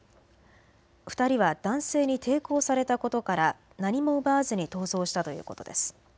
２人は男性に抵抗されたことから何も奪わずに逃走したということです。